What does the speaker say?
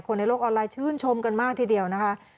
ในโลกออนไลน์ชื่นชมกันมากทีเดียวนะคะ